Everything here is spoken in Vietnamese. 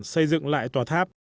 xây dựng lại tòa tháp